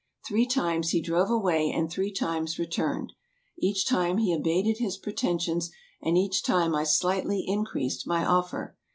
Three times he drove away and three times returned. Each time he abated his pretensions, and each time I slightly increased my offer.